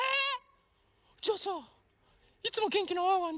じゃあさ「いつもげんきなワンワンです」